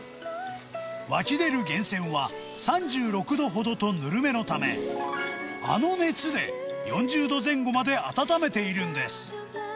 湧き出る源泉は３６度ほどとぬるめのため、あの熱で４０度前後まで温めているんです。